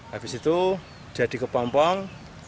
habis itu jadi kepompong